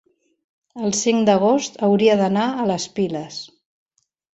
el cinc d'agost hauria d'anar a les Piles.